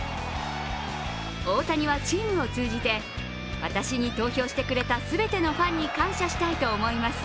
大谷は、チームを通じて私に投票してくれた全てのファンに感謝したいと思います。